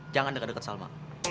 jangan deket deket salma